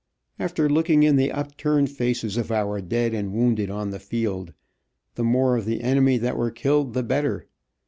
After looking in the upturned faces of our dead and wounded on the field, the more of the enemy that were killed the better.